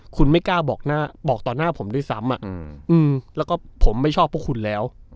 คุณไม่กล้าบอกต่อหน้าผมด้วยซ้ำแล้วก็ผมไม่ชอบพวกคุณแล้ว